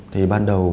thì ban đầu